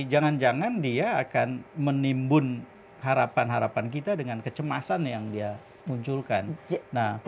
jangan jangan dia akan menimbun harapan harapan kita dengan kecemasan yang dia munculkan